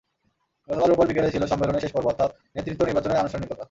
গতকাল রোববার বিকেলে ছিল সম্মেলনের শেষ পর্ব অর্থাৎ নেতৃত্ব নির্বাচনের আনুষ্ঠানিকতা।